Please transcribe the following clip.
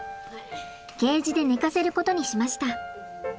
ケージで寝かせることにしました。